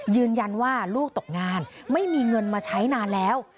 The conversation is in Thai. ยืนยันว่าลูกตกงานไม่มีเงินมาใช้นานแล้ว